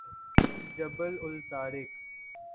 جبل الطارق